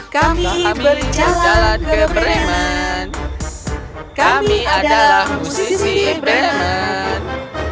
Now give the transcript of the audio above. kami berjalan ke bremen kami adalah musisi bremen